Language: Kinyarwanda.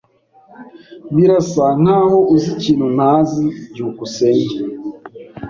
Birasa nkaho uzi ikintu ntazi. byukusenge